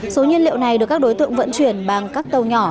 số nhiên liệu này được các đối tượng vận chuyển bằng các tàu nhỏ